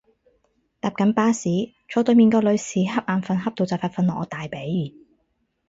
搭緊巴士，坐對面個女士恰眼瞓恰到就快瞓落我大髀